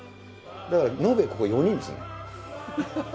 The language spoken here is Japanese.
だから延べここ４人ですね。